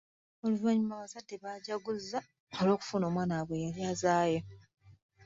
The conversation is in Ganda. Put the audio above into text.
Oluvannyuma abazadde baajaguza olw’okufuna omwana waabwe eyali azaaye.